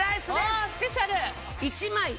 おスペシャル。